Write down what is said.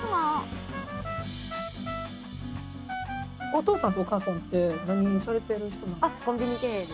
お父さんとお母さんって何をされてる人なんですか？